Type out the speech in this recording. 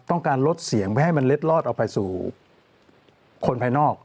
ต้องการลดเสียงให้มันเล็ดลอดเอาไปสู่คนไปนอก